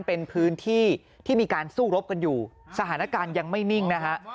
เป็นพื้นที่ที่มีการสู้รบกันอยู่สถานการณ์ยังไม่นิ่งนะฮะ